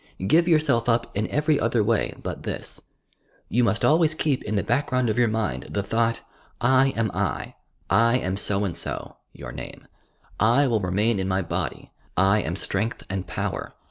Give yourself up in ever; other way but this. You muat always keep in the background of your mind the thought: — "I am I ... I am so and so (your name) ... I will remain in my body. ... I am strength and power